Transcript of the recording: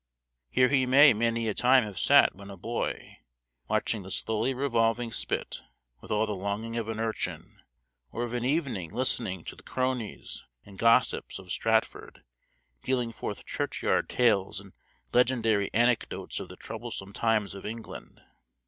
Here he may many a time have sat when a boy, watching the slowly revolving spit with all the longing of an urchin, or of an evening listening to the cronies and gossips of Stratford dealing forth churchyard tales and legendary anecdotes of the troublesome times of England.